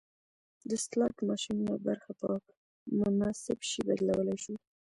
د سلاټ ماشینونو برخه په مناسب شي بدلولی شو